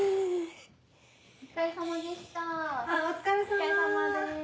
お疲れさまでした。